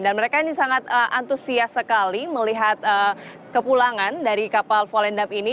dan mereka ini sangat antusias sekali melihat kepulangan dari kapal volendam ini